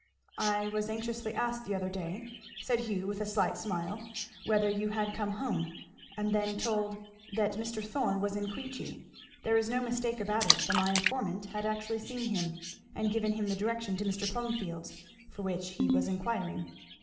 "I was anxiously asked the other day," said Hugh with a slight smile, "whether you had come home; and then told that Mr. Thorn was in Queechy. There is no mistake about it, for my imformant had actually seen him, and given him the direction to Mr. Plumfield's, for which he was inquiring."